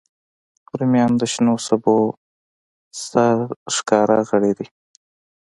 رومیان د شنو سبو سرښکاره غړی دی